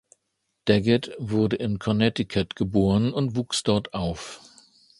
Daggett wurde in Connecticut geboren und wuchs dort auf.